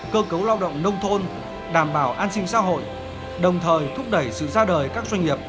cơ cấu lao động nông thôn đảm bảo an sinh xã hội đồng thời thúc đẩy sự ra đời các doanh nghiệp